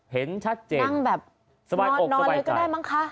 เห็นชัดเจนนั่งแบบนอนเลยก็ได้มั้งคะ